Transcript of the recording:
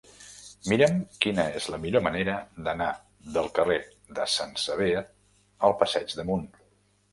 Mira'm quina és la millor manera d'anar del carrer de Sant Sever al passeig d'Amunt.